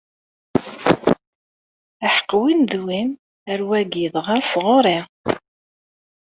Aḥeqq win d win, ar wagi dɣa sɣuṛ-i!